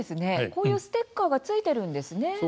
こういうステッカーがついているんですね。